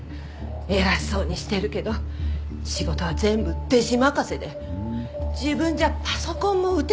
偉そうにしてるけど仕事は全部弟子任せで自分じゃパソコンも打てないんだから。